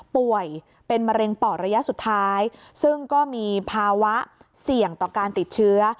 ป่วยเป็นมะเร็งปอดระยะสุดท้ายซึ่งก็มีภาวะเสี่ยงต่อการติดเชื้อ